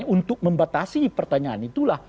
untuk membatasi pertanyaan itulah